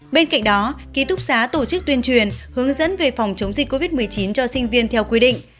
bên cạnh đó ký túc xá tổ chức tuyên truyền hướng dẫn về phòng chống dịch covid một mươi chín cho sinh viên theo quy định